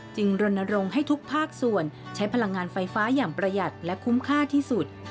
รณรงค์ให้ทุกภาคส่วนใช้พลังงานไฟฟ้าอย่างประหยัดและคุ้มค่าที่สุด